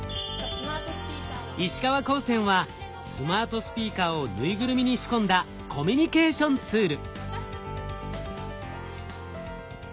石川高専はスマートスピーカーをぬいぐるみに仕込んだコミュニケーションツール。